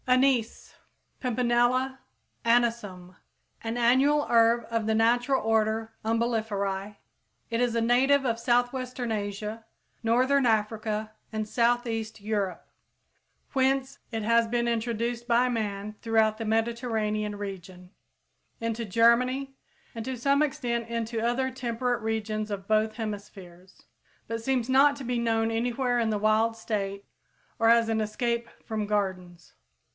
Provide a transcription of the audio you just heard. =Anise= (Pimpinella Anisum, Linn.), an annual herb of the natural order Umbelliferæ. It is a native of southwestern Asia, northern Africa and south eastern Europe, whence it has been introduced by man throughout the Mediterranean region, into Germany, and to some extent into other temperate regions of both hemispheres, but seems not to be known anywhere in the wild state or as an escape from gardens.